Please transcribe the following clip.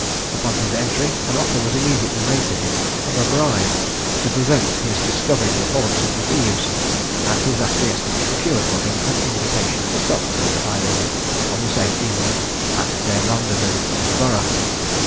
Upon his entry, an offer was immediately made to him of a bribe, to prevent his discovering the haunts of the thieves, and his acquiescence procured for him an invitation to sup with the highwaymen on the same evening at their rendezvous in the Borough.